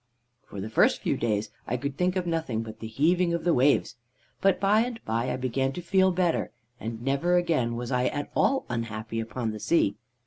"For the first few days I could think of nothing but the heaving of the waves; but by and by I began to feel better, and never again was I at all unhappy upon the sea.